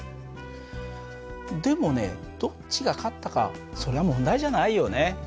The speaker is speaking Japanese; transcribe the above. でもねどっちが勝ったかそれは問題じゃないよね。